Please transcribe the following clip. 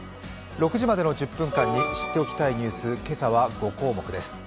６時までの１０分間に知っておきたいニュース、今朝は５項目です。